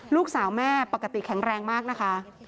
ลูกสาวแม่ปกติแข็งแรงมากนะคะ